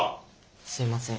すいません。